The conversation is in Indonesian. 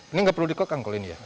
ini nggak perlu dikokang kalau ini ya